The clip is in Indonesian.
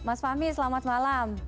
mas fahmi selamat malam